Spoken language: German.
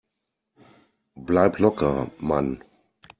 Bleib locker, Mann!